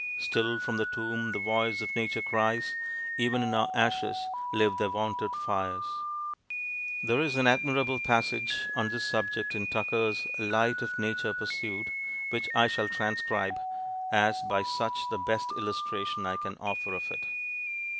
Still from the tomb the voice of nature cries; Even in our ashes live their wonted fires! There is an admirable passage on this subject in Tucker's Light of Nature Pursued, which I shall transcribe, as by much the best illustration I can offer of it.